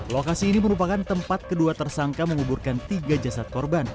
lokasi ini merupakan tempat kedua tersangka menguburkan tiga jasad korban